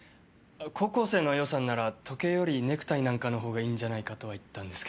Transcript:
高校生の予算なら時計よりネクタイなんかの方がいいんじゃないかとは言ったんですけど。